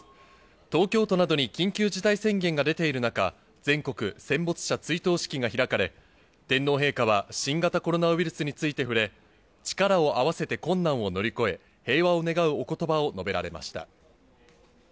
東京都などに緊急事態宣言が出ている中、全国戦没者追悼式が開かれ、天皇陛下は新型コロナウイルスについて触れ、力を合わせて困難を乗り越え、平和を願うおことばを述べられました。